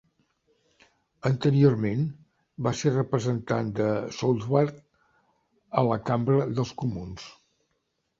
Anteriorment, va ser representant de Southwark a la Cambra dels Comuns.